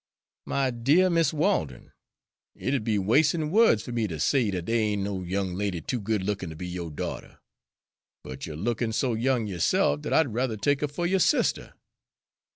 "My deah Mis' Walden! it 'ud be wastin' wo'ds fer me ter say dat dey ain' no young lady too good lookin' ter be yo' daughter; but you're lookin' so young yo'sef dat I'd ruther take her fer yo' sister."